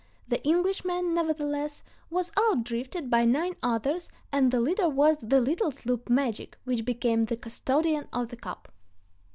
The Englishman, nevertheless, was outdrifted by nine others, and the leader was the little sloop Magic, which became the custodian of the cup.